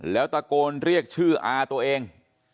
แล้วตะโกนเรียกชื่ออาตัวเอง